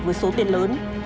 với số tiền lớn